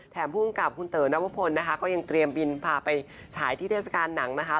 ภูมิกับคุณเต๋อนวพลนะคะก็ยังเตรียมบินพาไปฉายที่เทศกาลหนังนะคะ